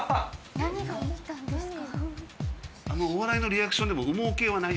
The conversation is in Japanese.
何が起きたんですか？